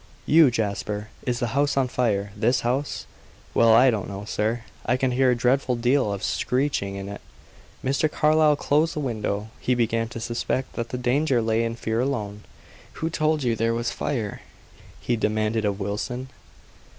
"You, Jasper! Is the house on fire this house?" "Well, I don't know, sir. I can hear a dreadful deal of screeching in it." Mr. Carlyle closed the window. He began to suspect that the danger lay in fear alone. "Who told you there was fire?" he demanded of Wilson.